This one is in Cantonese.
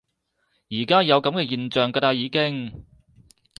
而家有噉嘅現象㗎啦已經